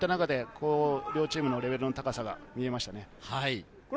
両チームのレベルの高さが見えました。